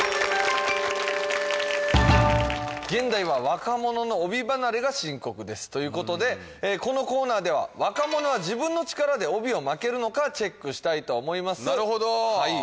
現代は若者の帯離れが深刻ですということでこのコーナーでは若者は自分の力で帯を巻けるのかチェックしたいと思いますなるほど！